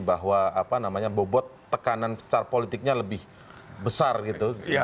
bahwa bobot tekanan secara politiknya lebih besar gitu